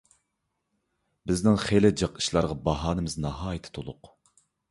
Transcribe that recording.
بىزنىڭ خېلى جىق ئىشلارغا باھانىمىز ناھايىتى تولۇق.